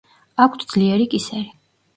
აქვთ ძლიერი კისერი.